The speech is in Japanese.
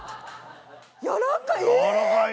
柔らかい！